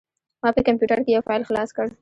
ما په کمپوټر کې یو فایل خلاص کړ.